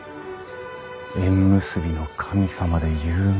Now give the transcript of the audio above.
縁結びの神様で有名な神社。